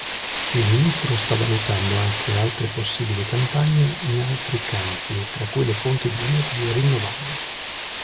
Il ministro sta valutando anche altre possibili campagne in altri campi tra cui le fonti di energie rinnovabili.